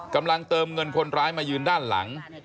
กำลังเติมเงินคนร้ายมายืนด้านหลัง